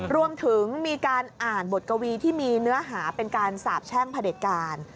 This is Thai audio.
รวมถึงมีการอ่านบทกวีที่มีเนื้อหาเป็นการสาบแช่งพระเด็จการ